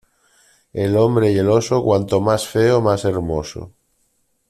El hombre y el oso cuanto más feo más hermoso.